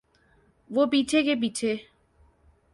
وہ پیچھے کے پیچھے۔